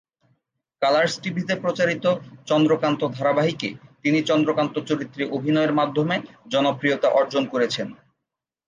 Colors টিভিতে প্রচারিত "চন্দ্রকান্ত" ধারাবাহিকে তিনি "চন্দ্রকান্ত" চরিত্রে অভিনয়ের মাধ্যমে জনপ্রিয়তা অর্জন করেছেন।